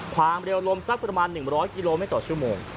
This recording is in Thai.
ความเร็วลมสักประมาณ๑๐๐กิโลเมตรต่อชั่วโมง